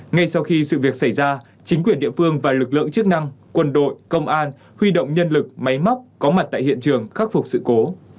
ngay sau khi sự việc xảy ra chính quyền địa phương và lực lượng chức năng quân đội công an huy động nhân lực máy móc có mặt tại hiện trường khắc phục sự cố